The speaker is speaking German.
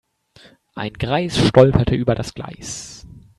Ein Greis stolperte über das Gleis.